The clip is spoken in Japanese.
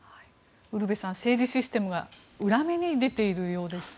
ウルヴェさん政治システムが裏目に出ているようです。